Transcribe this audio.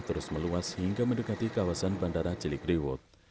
terus meluas hingga mendekati kawasan bandara cilikriwut